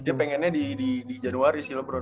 dia pengennya di januari sih lebron